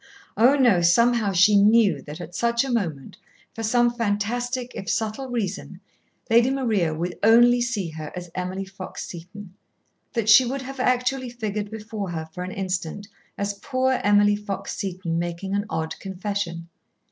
Oh, no! Somehow she knew that at such a moment, for some fantastic, if subtle, reason, Lady Maria would only see her as Emily Fox Seton, that she would have actually figured before her for an instant as poor Emily Fox Seton making an odd confession.